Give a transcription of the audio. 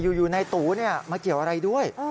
อยู่ในตูมาเกี่ยวอะไรด้วย